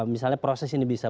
misalnya proses ini bisa